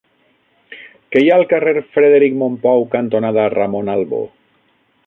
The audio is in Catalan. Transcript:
Què hi ha al carrer Frederic Mompou cantonada Ramon Albó?